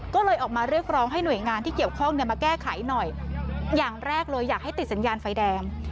ก็เลยออกมาเรียกร้องให้หน่วยงานที่เกี่ยวข้องเนี่ยมาแก้ไขหน่อยอย่างแรกเลยอยากให้ติดสัญญาณไฟแดง